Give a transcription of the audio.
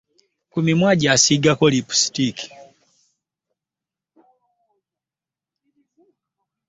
Ku mimwa gye asiigako lipusiitiki.